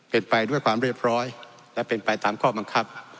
เป็นไปด้วยความเรียบร้อยและเป็นไปตามข้อบังคับ